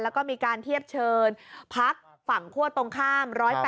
แล้วก็มีการเทียบเชิญพักฝั่งคั่วตรงข้าม๑๘